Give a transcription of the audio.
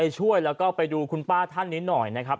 ช่วยแล้วก็ไปดูคุณป้าท่านนี้หน่อยนะครับ